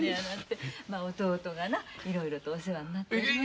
弟がないろいろとお世話になっておりまして。